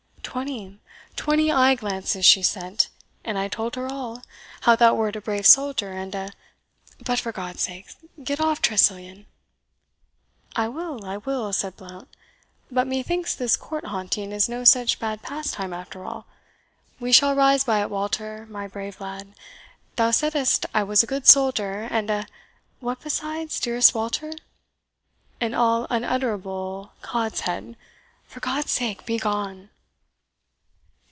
"Twenty twenty eye glances she sent! and I told her all how thou wert a brave soldier, and a But for God's sake, get off Tressilian!" "I will I will," said Blount; "but methinks this court haunting is no such bad pastime, after all. We shall rise by it, Walter, my brave lad. Thou saidst I was a good soldier, and a what besides, dearest Walter?" "An all unutterable codshead. For God's sake, begone!"